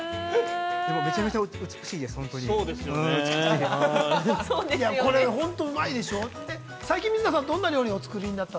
◆めちゃめちゃ美しいです、本当に。